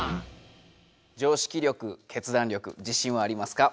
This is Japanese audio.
常識力決断力自信はありますか？